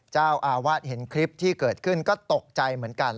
เจ้าอาวาสเห็นคลิปที่เกิดขึ้นก็ตกใจเหมือนกัน